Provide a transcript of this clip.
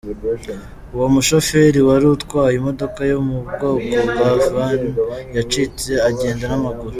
Uwo mushoferi wari utwaye imodoka yo mu bwoko bwa van yacitse agenda n'amaguru.